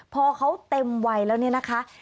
พอเขาเต็มไวแล้วนี่นะคะ